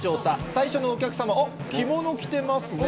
最初のお客様、あっ、着物着てますね。